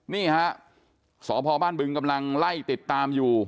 นี่ฮะสพบ้านบึงกำลังไล่ติดตามอยู่